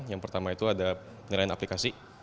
yang pertama itu ada penilaian aplikasi